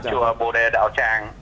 chùa bồ đề đạo tràng